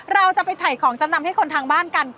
เราจะไปถ่ายของจำนำให้คนทางบ้านกัน